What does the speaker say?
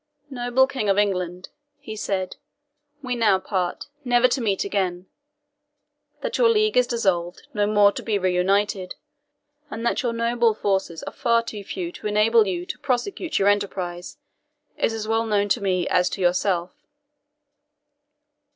"Noble King of England," he said, "we now part, never to meet again. That your league is dissolved, no more to be reunited, and that your native forces are far too few to enable you to prosecute your enterprise, is as well known to me as to yourself.